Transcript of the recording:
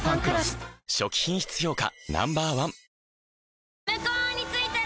初期品質評価